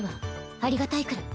ありがたいくらい。